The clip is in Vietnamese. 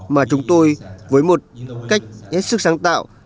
mà chúng tôi với một cách hết sức sáng tạo